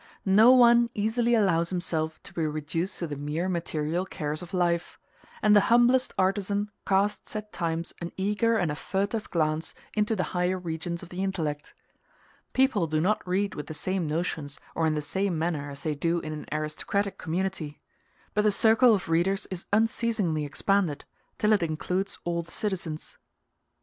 No one easily allows himself to be reduced to the mere material cares of life; and the humblest artisan casts at times an eager and a furtive glance into the higher regions of the intellect. People do not read with the same notions or in the same manner as they do in an aristocratic community; but the circle of readers is unceasingly expanded, till it includes all the citizens.